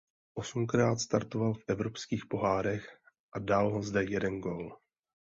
Osmkrát startoval v evropských pohárech a dal zde jeden gól.